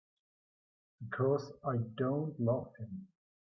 Because I don't love him.